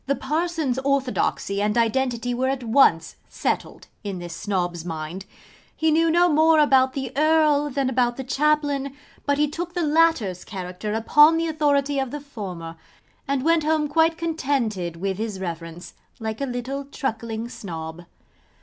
The Parson's orthodoxy and identity were at once settled in this Snob's mind. He knew no more about the Earl than about the Chaplain, but he took the latter's character upon the authority of the former; and went home quite contented with his Reverence, like a little truckling Snob.